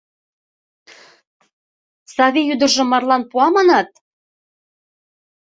Савий ӱдыржым марлан пуа, манат?